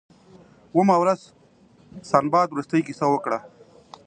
اوومه ورځ سنباد وروستۍ کیسه وکړه.